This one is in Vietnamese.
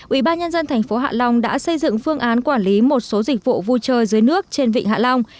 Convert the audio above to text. ủy ban nhân dân thành phố hạ long đã xây dựng phương án quản lý một số dịch vụ vui chơi dưới nước trên vịnh hạ long